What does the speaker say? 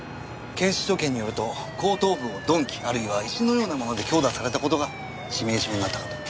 検視所見によると後頭部を鈍器あるいは石のようなもので強打された事が致命傷になったかと。